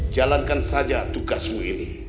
jalankan saja tugasmu ini